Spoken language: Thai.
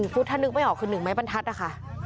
๑ฟุตถ้านึกไม่ออกคือ๑ไม้ปันทัศน์